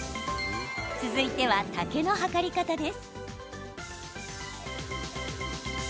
続いては丈の測り方です。